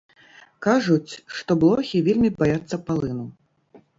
Кажуць, што блохі вельмі баяцца палыну.